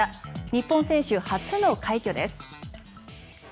日本選手初の快挙です。